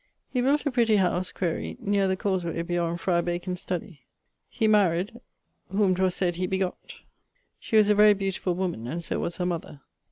He built a pretty house (quaere) neer the cawsey beyond Friar Bacon's studie. He married[CT] ..., whom 'twas sayd he begott. She was a very beautifull woman, and so was her mother.